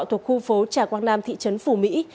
thuộc khu phố trà quang nam thị trấn phù mỹ